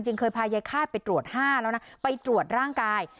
จริงเคยพายายค่ายไปตรวจห้าแล้วนะไปตรวจร่างกาย